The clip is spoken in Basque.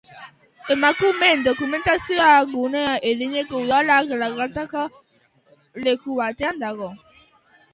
Emakumeen Dokumentazio Gunea Iruñeko Udalak lagatako leku batean dago.